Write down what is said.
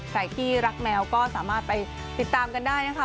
ใครที่รักแมวก็สามารถไปติดตามกันได้นะคะ